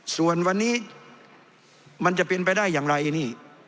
ส่วนวันนี้มันจะเป็นไปได้อย่างไรนี่